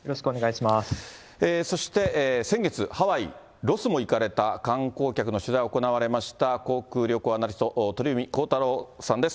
そして、先月、ハワイ、ロスも行かれた、観光客の取材を行われました、航空・旅行アナリスト、鳥海高太朗さんです。